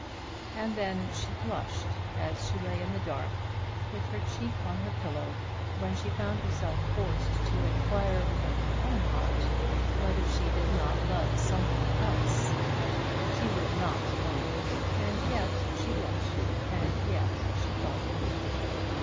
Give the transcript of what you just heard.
And then she blushed as she lay in the dark, with her cheek on her pillow, when she found herself forced to inquire within her own heart whether she did not love some one else. She would not own it, and yet she blushed, and yet she thought of it.